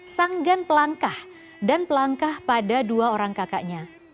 sanggan pelangkah dan pelangkah pada dua orang kakaknya